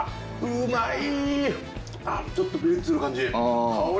うまい！